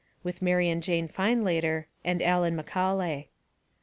(With Mary and Jane Findlater and Allan McAulay.)